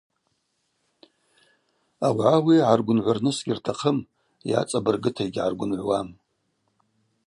Ауагӏа ауи гӏаргвынгӏвырныс гьыртахъым, йа цӏабыргыта йгьгӏаргвынгӏвуам.